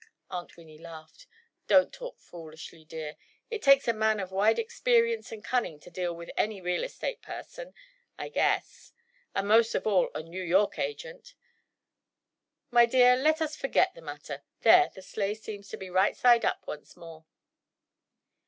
Aunt Winnie laughed. "Don't talk foolishly, dear. It takes a man of wide experience and cunning to deal with any real estate person, I guess; and most of all a New York agent. My dear, let us forget the matter. There, the sleigh seems to be right side up once more."